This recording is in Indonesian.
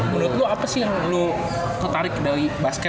menurut lu apa sih yang lu tertarik dari basket